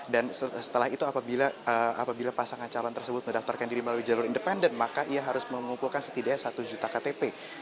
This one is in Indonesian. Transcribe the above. dan setelah itu apabila pasangan calon tersebut mendaftarkan diri melalui jalur independen maka ia harus mengumpulkan setidaknya satu juta ktp